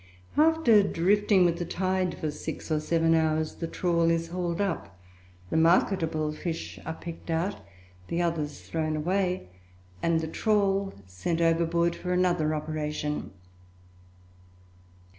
After drifting with the tide for six or seven hours the trawl is hauled up, the marketable fish are picked out, the others thrown away, and the trawl sent overboard for another operation.